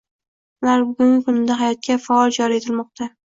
Ular bugungi kunda hayotga faol joriy etilmoqda.